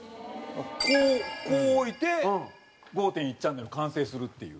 こうこう置いて５．１ｃｈ完成するっていう。